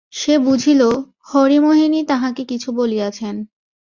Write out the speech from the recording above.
সে বুঝিল হরিমোহিনী তাঁহাকে কিছু বলিয়াছেন।